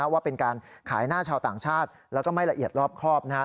ว่าเป็นการขายหน้าชาวต่างชาติแล้วก็ไม่ละเอียดรอบครอบ